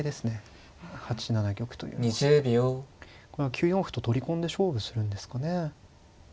９四歩と取り込んで勝負するんですかね。